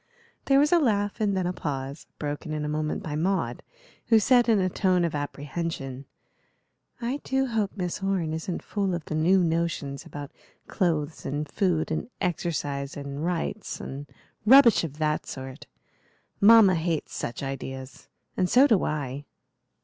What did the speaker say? There was a laugh and then a pause, broken in a moment by Maud, who said, in a tone of apprehension: "I do hope Miss Orne isn't full of the new notions about clothes and food and exercise and rights and rubbish of that sort. Mamma hates such ideas, and so do I."